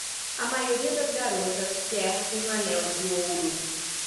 A maioria das garotas quer um anel de ouro.